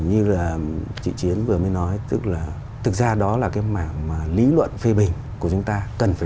như là chị chiến vừa mới nói tức là thực ra đó là cái mảng mà lý luận phê bình của chúng ta cần phải